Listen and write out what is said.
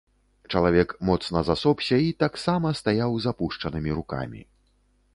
Чалавек моцна засопся і таксама стаяў з апушчанымі рукамі.